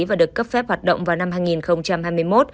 và được cấp phép hoạt động vào năm hai nghìn hai mươi một